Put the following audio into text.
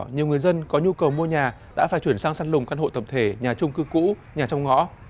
nhiều người dân có nhu cầu mua nhà đã phải chuyển sang săn lùng căn hộ tập thể nhà trung cư cũ nhà trong ngõ